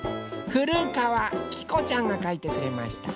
ふるかわきこちゃんがかいてくれました。